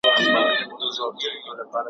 کشکي ستا پر لوڅ بدن وای ځلېدلی `